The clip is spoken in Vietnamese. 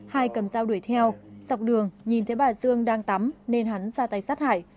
hai cầm dao đuổi theo dọc đường nhìn thấy bà dương đang tắm nên hắn ra tay sát hại